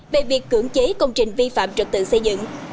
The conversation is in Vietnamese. về việc cưỡng chế công trình vi phạm trật tự xây dựng